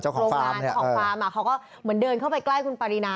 โรงงานเจ้าของฟาร์มเขาก็เหมือนเดินเข้าไปใกล้คุณปารีนา